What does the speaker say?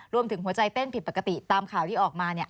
หัวใจเต้นผิดปกติตามข่าวที่ออกมาเนี่ย